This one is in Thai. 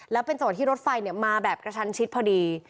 แล้วเป็นจังหวะที่รถไฟมาแบบกระชันชิดพอดี